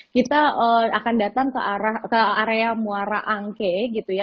kita akan datang ke area muara angke gitu ya